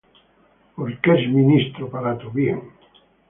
Porque es ministro de Dios para tu bien.